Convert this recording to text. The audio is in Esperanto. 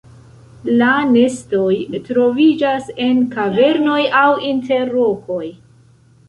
La nestoj troviĝas en kavernoj aŭ inter rokoj.